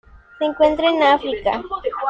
Se encuentran en África